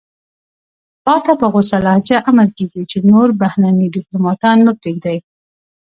تاته په غوڅه لهجه امر کېږي چې نور بهرني دیپلوماتان مه پرېږدئ.